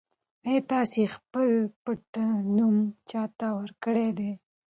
ایا تاسي خپل پټنوم چا ته ورکړی دی؟